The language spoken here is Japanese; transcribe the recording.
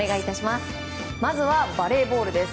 まずはバレーボールです。